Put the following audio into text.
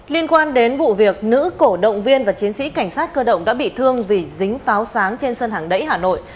liên quan đến vụ việc nữ cổ động viên và chiến sĩ cảnh sát cơ động đã bị thương vì dính pháo sáng trên sân hàng đẩy hà nội